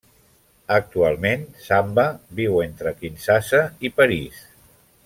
Actualment, Samba viu entre Kinshasa i París.